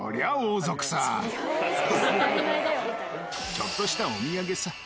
ちょっとしたお土産さ。